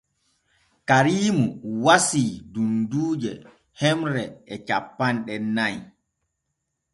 Kariimu wasii dunduuje hemre e cappanɗe nay.